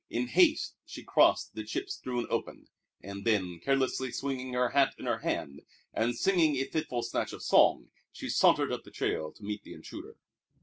In haste she crossed the chip strewn open, and then, carelessly swinging her hat in her hand, and singing a fitful snatch of song, she sauntered up the trail to meet the intruder.